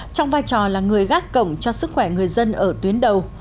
trong vai trò là người gác cổng cho sức khỏe người dân ở tuyến đầu